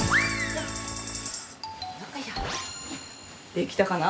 できたかな？